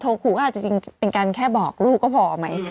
โทรขูอาจจะเป็นการแค่บอกลูกก็พอไหม